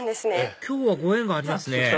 今日はご縁がありますね